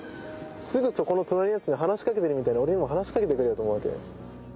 すぐそこの隣のヤツに話しかけてるみたいに俺にも話しかけてくれよと思うわけ。